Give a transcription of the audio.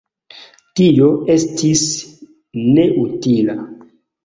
Tio estis neutila.